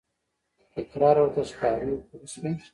تکرار ورته ښکاري پوه شوې!.